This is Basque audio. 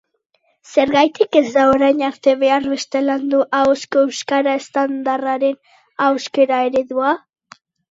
Zergatik ez da orain arte behar beste landu ahozko euskara estandarraren ahoskera-eredua?